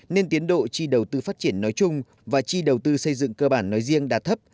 nên tiến độ chi đầu tư phát triển nói chung và chi đầu tư xây dựng cơ bản nói riêng đạt thấp